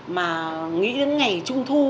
mà nghĩ đến ngày trung thu